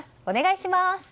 お願いします。